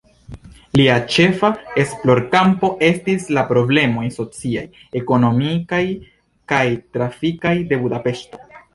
Lia ĉefa esplorkampo estis la problemoj sociaj, ekonomikaj kaj trafikaj de Budapeŝto.